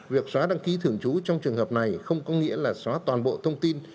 việc xóa đăng ký thường trú trong trường hợp này không có nghĩa là xóa toàn bộ thông tin